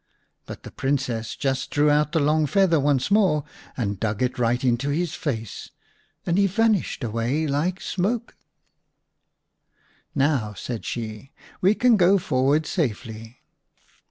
But the Princess just drew out the long feather once more and dug it right into his face ; and he vanished away like smoke. 50 v The Rabbit Prince " Now," said she, " we can go forward safely."